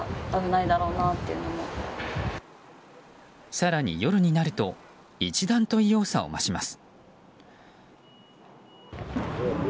更に夜になると一段と異様さを増します。